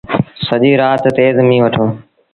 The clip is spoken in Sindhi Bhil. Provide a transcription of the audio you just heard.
سڄيٚ رآت تيز ميݩهن وٺو۔